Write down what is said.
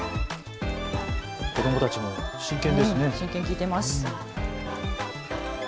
子どもたちも真剣ですね。